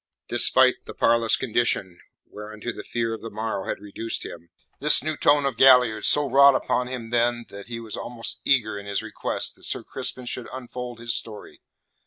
Despite the parlous condition whereunto the fear of the morrow had reduced him, this new tone of Galliard's so wrought upon him then that he was almost eager in his request that Sir Crispin should unfold his story.